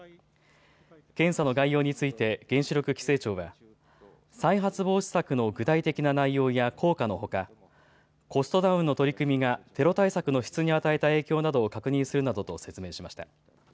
検査の概要について原子力規制庁は再発防止策の具体的な内容や効果のほかコストダウンの取り組みがテロ対策の質に与えた影響などを確認するなどと説明しました。